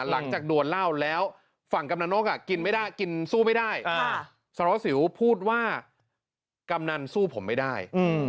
ดวนเหล้าแล้วฝั่งกำนันนกกินไม่ได้กินสู้ไม่ได้สารวสิวพูดว่ากำนันสู้ผมไม่ได้